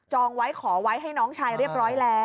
ไว้ขอไว้ให้น้องชายเรียบร้อยแล้ว